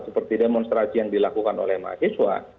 seperti demonstrasi yang dilakukan oleh mahasiswa